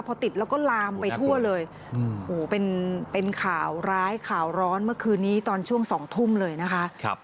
พอติดแล้วก็ลามไปทั่วเลยโอ้โหเป็นข่าวร้ายข่าวร้อนเมื่อคืนนี้ตอนช่วง๒ทุ่มเลยนะคะ